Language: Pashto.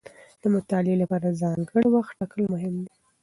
د مطالعې لپاره ځانګړی وخت ټاکل مهم دي.